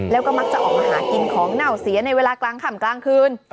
แล้วก็มักจะออกมาหากินของเหน่าเสียในเวลากลางค่ำกลางคืน